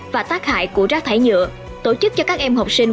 và tác hại của rác thải nhựa tổ chức cho các em học sinh